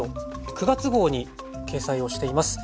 ９月号に掲載をしています。